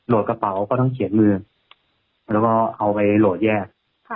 กระเป๋าก็ต้องเขียนมือแล้วก็เอาไปโหลดแยก